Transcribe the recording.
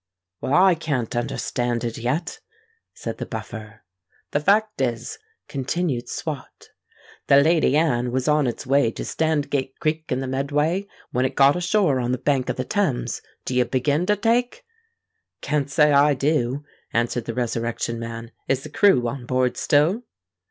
"Well, I can't understand it yet," said the Buffer. "The fact is," continued Swot, "the Lady Anne was on its way to Standgate Creek in the Medway, when it got ashore on the bank of the Thames. Do you begin to take?" "Can't say I do," answered the Resurrection Man. "Is the crew on board still?"